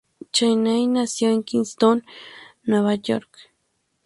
Sweeney nació en Kingston, Nueva York.